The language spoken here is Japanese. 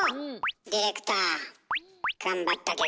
ディレクター頑張ったけど。